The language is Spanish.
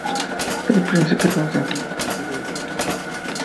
El príncipe Constantino practica deporte a menudo.